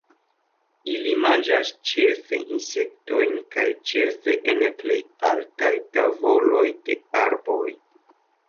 Ili manĝas ĉefe insektojn kaj ĉefe en plej altaj tavoloj de arboj.